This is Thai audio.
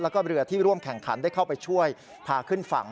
แล้วก็เรือที่ร่วมแข่งขันได้เข้าไปช่วยพาขึ้นฝั่ง